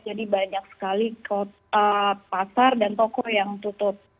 jadi banyak sekali kota pasar dan toko yang tutup